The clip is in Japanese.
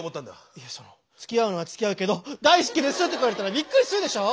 いやそのつきあうのはつきあうけど「だいすけです」とか言われたらびっくりするでしょ。